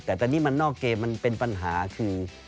แต่ตอนนี้มันนอกเกมมันเป็นปัญหาคือ